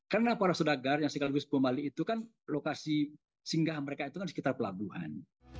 karena para sedagar yang sekaligus mubalih itu kan lokasi singgah mereka itu kan di sekitar pelabuhan